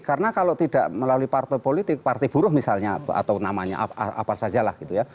karena kalau tidak melalui partai politik partai buruh misalnya atau namanya apa sajalah gitu ya